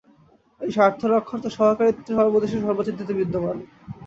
এই স্বার্থরক্ষার্থ সহকারিত্ব সর্বদেশে সর্বজাতিতে বিদ্যমান।